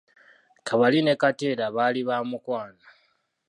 Kabali ne Kateera baali ba mukwano.